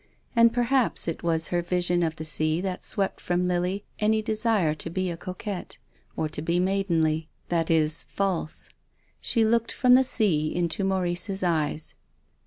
And perhaps it was her vis ion of the sea that swept from Lily any desire to be a coquette, or to be maidenly, — that is, false. She looked from the sea into Maurice's eyes.